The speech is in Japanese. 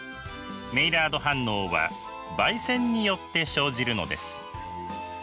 メイラード反応は焙煎によって生じるのです。